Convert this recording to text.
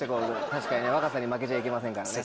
若さに負けちゃいけませんからね。